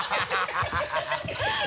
ハハハ